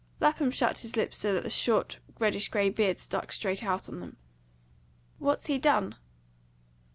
Lapham shut his lips so that the short, reddish grey beard stuck straight out on them. "What's he done?"